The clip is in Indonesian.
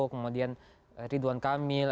kemudian ridwan kamil